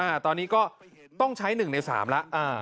อ้าตอนนี้ก็ต้องใช้๑ใน๓แล้ว